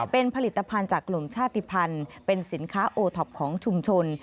เป็นผลิตภัณฑ์จากกลุ่มชาติภัณฑ์เป็นสินค้าโอท็อปของชุมชน